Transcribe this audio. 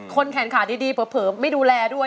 แขนขาดีเผลอไม่ดูแลด้วย